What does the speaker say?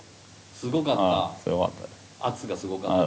すごかった圧がすごかったあぁ